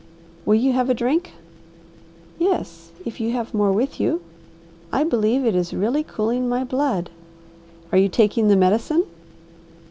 "Will you have a drink?" "Yes, if you have more with you. I believe it is really cooling my blood." "Are you taking the medicine?"